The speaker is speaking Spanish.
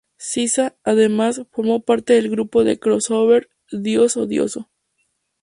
Sisa, además, formó parte del grupo de crossover Dios Odioso.